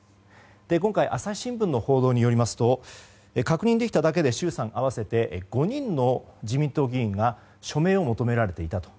今回朝日新聞の報道によりますと確認できただけで衆参合わせて５人の自民党議員が署名を求められていたと。